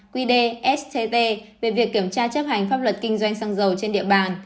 quy đề sct về việc kiểm tra chấp hành pháp luật kinh doanh xăng dầu trên địa bàn